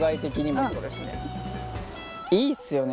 いいっすよね。